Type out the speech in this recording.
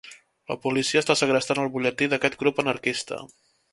La policia està segrestant el butlletí d'aquest grup anarquista.